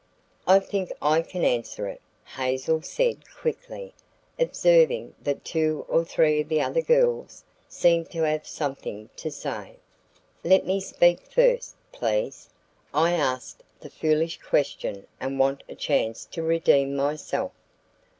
"I think I can answer it," Hazel said quickly, observing that two or three of the other girls seemed to have something to say. "Let me speak first, please. I asked the foolish question and want a chance to redeem myself."